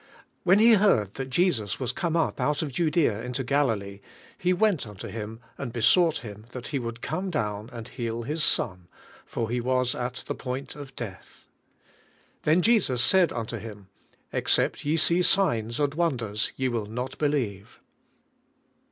When he heard that Jesus was come up out of Judea into Galilee, he went unto Him, and besought Him that He would come down and heal his son; for he was at the point of death. Then said Jesus unto him. Except ye see signs and wonders, ye will not believe."